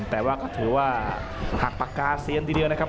แต่ว่าก็ถือว่าหักปากกาเซียนทีเดียวนะครับ